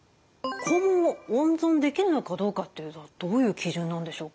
肛門を温存できるのかどうかというのはどういう基準なんでしょうか？